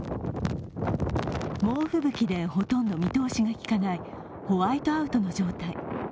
猛吹雪がほとんど見通しがきかないホワイトアウトの状態。